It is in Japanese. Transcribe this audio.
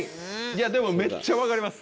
でもめっちゃ分かります。